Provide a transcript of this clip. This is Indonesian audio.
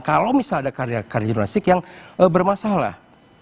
kalau misalnya ada karya karya jurnalistik yang bermasalah